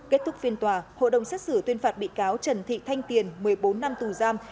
kết thúc phiên tòa hộ đồng xét xử tuyên phạt bị cáo trần thị thanh tiền một mươi bốn năm tù giam